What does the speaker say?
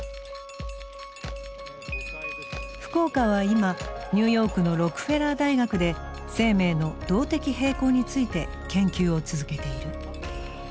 福岡は今ニューヨークのロックフェラー大学で生命の動的平衡について研究を続けている。